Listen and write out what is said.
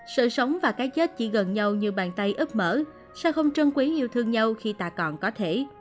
sự sống và cái chết chỉ gần nhau như bàn tay ước mở sao không trân quý yêu thương nhau khi ta còn có thể